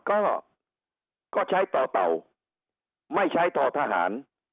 ก็ก็ใช้ต่อเต่าไม่ใช้ต่อทหาร